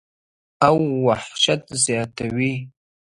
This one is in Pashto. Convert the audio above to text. او وحشت زياتوي-